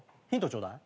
ちょうだい。